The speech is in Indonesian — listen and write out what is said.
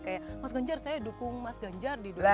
kayak mas ganjar saya dukung mas ganjar di dukungan pak